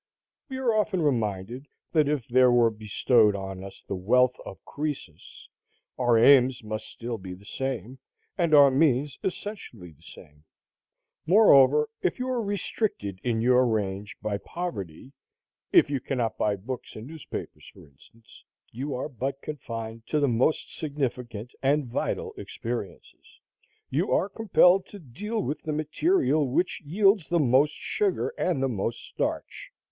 We are often reminded that if there were bestowed on us the wealth of Crœsus, our aims must still be the same, and our means essentially the same. Moreover, if you are restricted in your range by poverty, if you cannot buy books and newspapers, for instance, you are but confined to the most significant and vital experiences; you are compelled to deal with the material which yields the most sugar and the most starch.